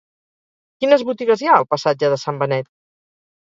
Quines botigues hi ha al passatge de Sant Benet?